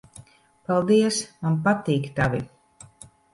Paldies. Man patīk tavi.